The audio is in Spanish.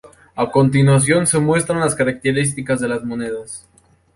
A continuación se muestran las características de las monedas.